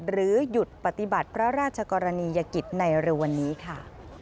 หรือหยุดปฏิบัติพระราชกรณียกิจในเร็ววันนี้ค่ะ